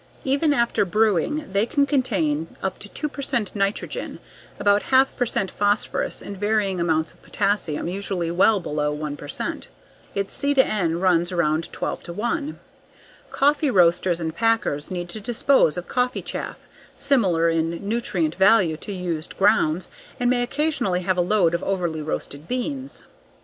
Even after brewing they can contain up to 2 percent nitrogen, about 1/2 percent phosphorus and varying amounts of potassium usually well below 1 percent. Its C/N runs around 12:1. Coffee roasters and packers need to dispose of coffee chaff, similar in nutrient value to used grounds and may occasionally have a load of overly roasted beans.